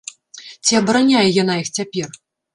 Ці абараняе яна іх цяпер?